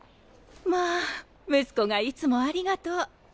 まあ息子がいつもありがとう。